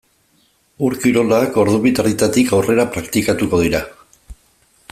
Ur-kirolak ordu bi eta erdietatik aurrera praktikatuko dira.